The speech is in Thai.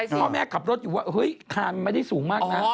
พ่อแม่ขับรถอยู่ว่าเฮ้ยคานไม่ได้สูงมากนะ